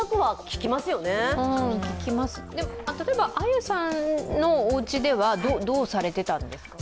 聞きます、例えばあゆさんのおうちではどうされてたんですか？